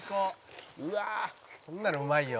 「うわあ」「こんなのうまいよ」